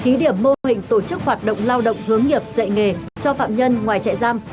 thí điểm mô hình tổ chức hoạt động lao động hướng nghiệp dạy nghề cho phạm nhân ngoài chạy giam